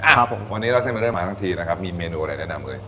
ครับผมวันนี้เล่าเส้นเป็นเรื่องมาทั้งทีนะครับมีเมนูอะไรแนะนำเอ่ย